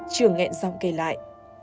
trường nghẹn dòng kề lại